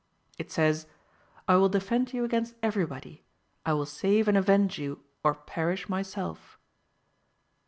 It says, "I will defend you against everybody; I will save and avenge you, or perish myself."